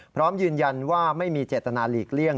พร้อมยืนยันว่าไม่มีเจตนาหลีกเลี่ยง